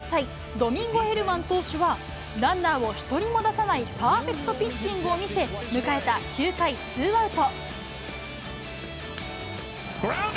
ヤンキース先発の３０歳、ドミンゴ・ヘルマン投手は、ランナーを一人も出さないパーフェクトピッチングを見せ、迎えた９回ツーアウト。